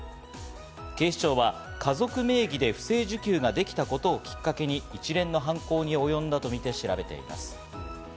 警視庁は家族名義で不正受給ができたことをきっかけに一連の犯行に及んだとみて調べています。